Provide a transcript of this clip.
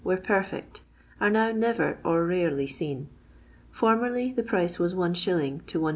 were perfect, are now never, or rarely, seen. Formerly the price was Is. to Is.